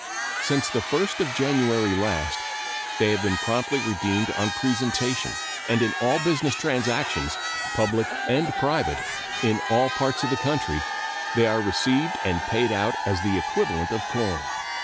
Since the 1st of January last they have been promptly redeemed on presentation, and in all business transactions, public and private, in all parts of the country, they are received and paid out as the equivalent of coin.